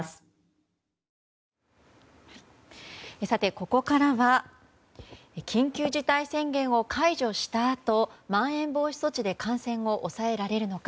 ここからは緊急事態宣言を解除したあとまん延防止措置で感染を抑えられるのか。